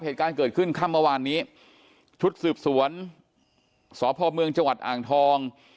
เหตุการณ์เกิดขึ้นค่ำมาวานนี้ชุดสืบสวนสพเมจอ่างทอง